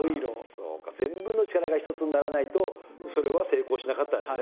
そうか全部の力が一つにならないとそれは成功しなかったんですね。